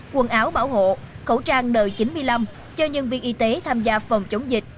quần áo bảo hộ khẩu trang đời chín mươi năm cho nhân viên y tế tham gia phòng chống dịch